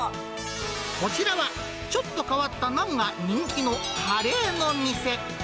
こちらは、ちょっと変わったナンが人気のカレーの店。